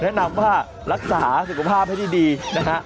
แนะนำว่ารักษาสุขภาพให้ดีนะฮะ